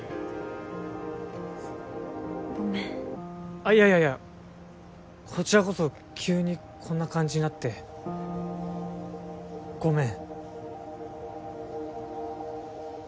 あっいやいやこちらこそ急にこんな感じになってごめん。